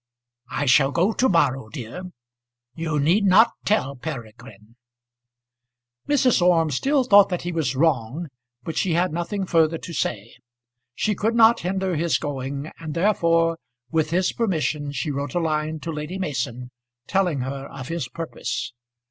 "I shall go to morrow, dear. You need not tell Peregrine." Mrs. Orme still thought that he was wrong, but she had nothing further to say. She could not hinder his going, and therefore, with his permission she wrote a line to Lady Mason, telling her of his purpose.